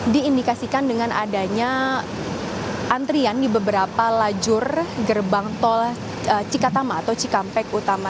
diindikasikan dengan adanya antrian di beberapa lajur gerbang tol cikatama atau cikampek utama